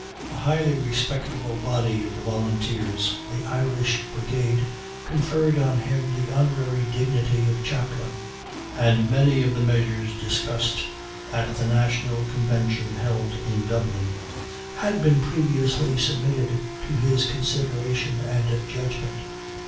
A highly respectable body of the Volunteers, the Irish Brigade, conferred on him the honorary dignity of Chaplain; and many of the measures discussed at the National Convention held in Dublin, had been previously submitted to his consideration and judgment.